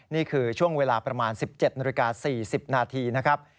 นี่คือช่วงเวลาประมาณ๑๗นาฬิกา๔๐นาทีนะครับ